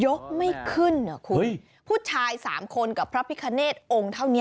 ไม่ขึ้นเหรอคุณผู้ชายสามคนกับพระพิคเนตองค์เท่านี้